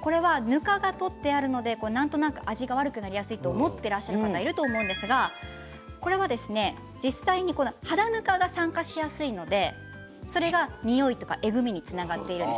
これはぬかが取ってあるのでなんとなく味が悪くなりやすいと思ってらっしゃる方いると思うんですが実際には肌ぬかが酸化しやすいのでそれがにおいとかえぐみにつながっているんです。